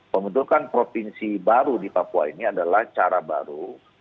pembentukan provinsi baru di papua ini adalah cara baru